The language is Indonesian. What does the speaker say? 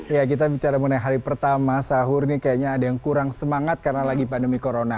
ya kita bicara mengenai hari pertama sahur nih kayaknya ada yang kurang semangat karena lagi pandemi corona